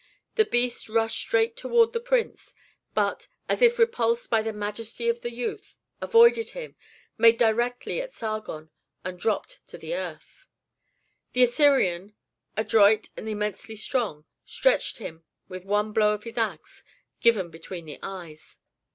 The beast rushed straight toward the prince, but, as if repulsed by the majesty of the youth, avoided him, made directly at Sargon, and dropped to the earth. The Assyrian, adroit and immensely strong, stretched him with one blow of his axe, given between the eyes.